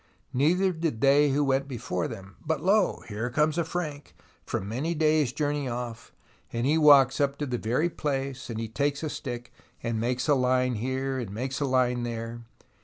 Neither did they who went before them. But lo ! here comes a Frank, from many days' 138 THE ROMANCE OF EXCAVATION journey off, and he walks up to the very place and he takes a stick, and makes a line here, and makes a line there.